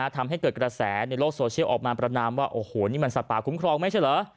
ทำให้เกิดกระแสในโลกโซเชียลออกมาประนามว่าโอ้โหนี่มันสัตว์ป่าคุ้มครองไม่ใช่เหรอ